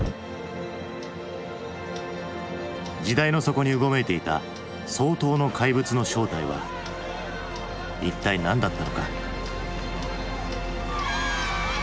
時代の底にうごめいていた双頭の怪物の正体は一体何だったのか。